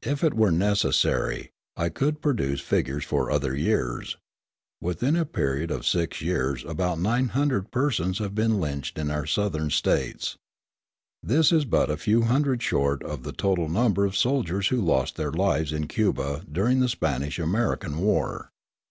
If it were necessary, I could produce figures for other years. Within a period of six years about 900 persons have been lynched in our Southern States. This is but a few hundred short of the total number of soldiers who lost their lives in Cuba during the Spanish American War.